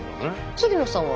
杉野さんは？